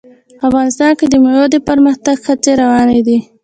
افغانستان کې د مېوې د پرمختګ هڅې روانې دي.